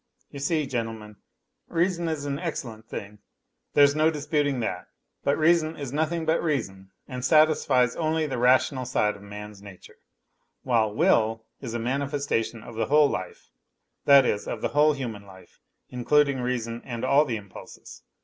You see, gentlemen, reason is an excellent thing, there's no disputing that, but reason is nothing but reason and satisfies only the rational side of man's nature, while will is a manifestation of the whole life, that is, of the whole human I'L including reason and all the impulses.